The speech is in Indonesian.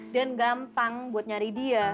dan gampang buat nyari dia